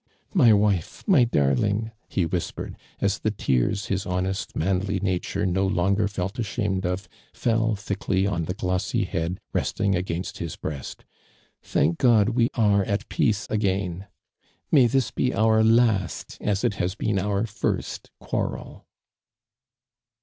"My wife! my «larling !'' lie whispered, as the tears his honest manly nature no longer felt ashamed of, fell thickly on the glossy heatl restiiig against his breast. "Thank (joil we arc at peace again I May 16 ARMAND DURAND. this be otir last as it hau been our firet (|uarrel